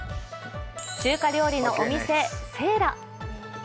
中華料理のお店・青羅。